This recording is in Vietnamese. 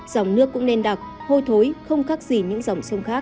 dòng nước cũng nền đặc hôi thối không khác gì những dòng sông khác